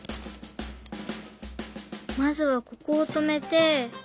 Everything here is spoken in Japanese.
まずはここを留めて。